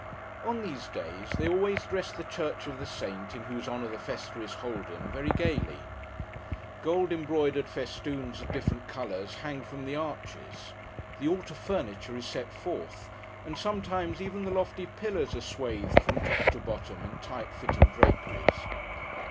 On these days, they always dress the church of the saint in whose honour the festa is holden, very gaily. Gold embroidered festoons of different colours, hang from the arches; the altar furniture is set forth; and sometimes, even the lofty pillars are swathed from top to bottom in tight fitting draperies.